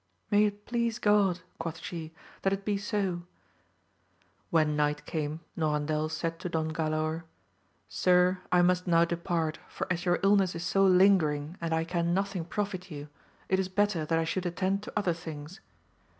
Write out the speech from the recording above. May it please God, quoth she, that it be so ! When night came, Norandel said to Don Galaor, Sir, I must now depart, for as your illness is so lingering and I can nothing profit you, it is better that I should attend to other things.